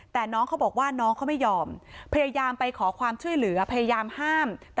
แต่น้องเขาบอกว่าน้องเขาไม่ยอมพยายามไปขอความช่วยเหลือพยายามห้าม